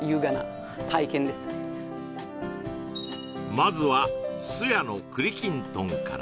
まずはすやの栗きんとんから